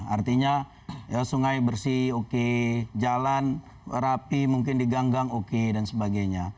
artinya sungai bersih oke jalan rapi mungkin diganggang oke dan sebagainya